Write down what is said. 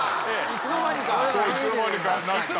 いつの間にか。